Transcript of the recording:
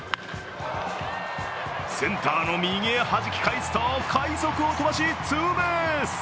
センターの右へはじき返すと快足を飛ばしツーベース。